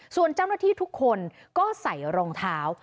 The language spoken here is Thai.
ส่วนเจ้าหน้าที่ทุกคนก็ใส่รองเท้า